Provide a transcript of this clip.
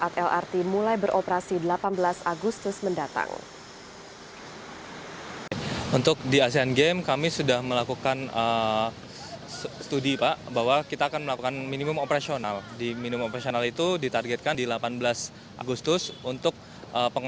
pekerjaan utama yang saat ini dikerjakan adalah proses tahap akhir yang sesuai dengan skema pembangunan